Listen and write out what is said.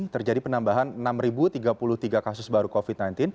terjadi penambahan enam tiga puluh tiga kasus baru covid sembilan belas